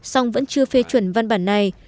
song vẫn chưa phê chuẩn văn bản này